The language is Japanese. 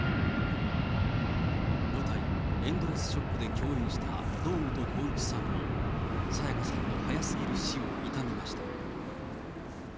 舞台、エンドレス・ショックで共演した堂本光一さんも沙也加さんの早すぎる死を悼みました。